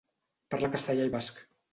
Parla castellà i basc.